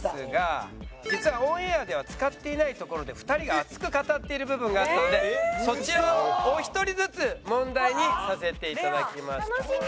実はオンエアでは使っていないところで２人が熱く語っている部分があったのでそちらをお一人ずつ問題にさせて頂きました。